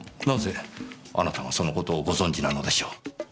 なぜあなたがその事をご存じなのでしょう？